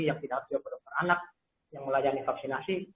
yang tidak ada juga dokter anak yang melayani vaksinasi